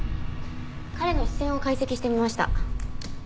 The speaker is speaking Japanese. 彼の視線を解析してみました。